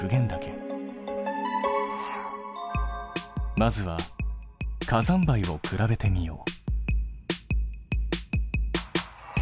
まずは火山灰を比べてみよう。